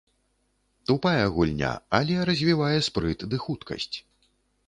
Тупая гульня, але развівае спрыт ды хуткасць.